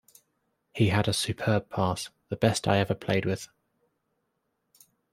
He had a superb pass - the best I ever played with.